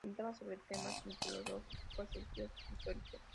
Pintaba sobre temas mitológicos, religiosos e históricos.